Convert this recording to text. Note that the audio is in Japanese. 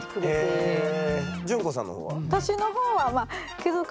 淳子さんの方は？